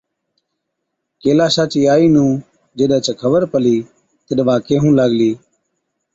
ڪيلاشا چِي آئِي نُون جِڏ هچ خبر پلِي، تِڏ وا ڪيهُون لاگلِي،